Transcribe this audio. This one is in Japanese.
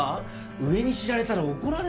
上に知られたら怒られますよ。